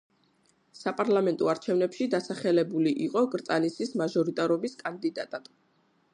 საპარლამენტო არჩევნებში დასახელებული იყო კრწანისის მაჟორიტარობის კანდიდატად.